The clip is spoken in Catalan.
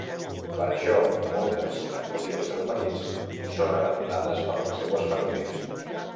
Per això moltes —en morir els seus marits— són abandonades per les seues famílies.